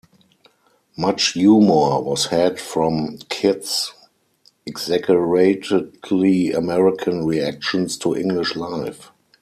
Much humour was had from Kit's exaggeratedly American reactions to English life.